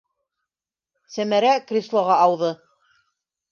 - Сәмәрә креслоға ауҙы.